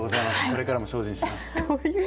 これからも精進します。